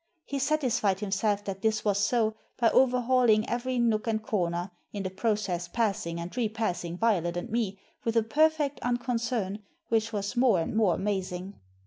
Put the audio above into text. He satisfied himself that this was so by overhauling every nook and corner, in the process passing and repassing Violet and me with a perfect unconcern which was more and more amazing.